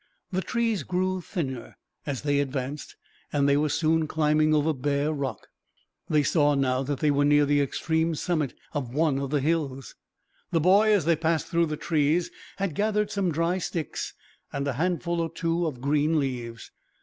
The trees grew thinner as they advanced, and they were soon climbing over bare rock. They saw now that they were near the extreme summit of one of the hills. The boy, as they passed through the trees, had gathered some dry sticks, and a handful or two of green leaves.